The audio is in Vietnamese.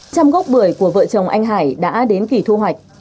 trăm gốc bưởi của vợ chồng anh hải đã đến kỳ thu hoạch